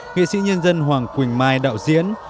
nghệ sĩ nhân dân hoàng quỳnh mai đạo diễn